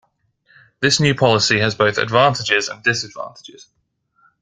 This new policy has both advantages and disadvantages.